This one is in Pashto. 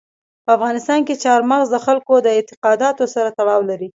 په افغانستان کې چار مغز د خلکو د اعتقاداتو سره تړاو لري.